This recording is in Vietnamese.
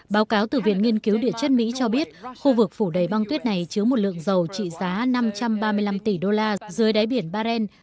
báo cáo từ viện nghiên cứu địa chất mỹ cho biết khu vực phủ đầy băng tuyết này chứa một lượng dầu trị giá năm trăm ba mươi năm tỷ đô la dưới đáy biển baren